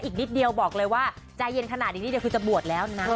อีกนิดเดียวบอกเลยว่าใจเย็นขนาดนี้เดี๋ยวคือจะบวชแล้วนะ